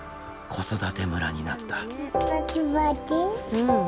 うん。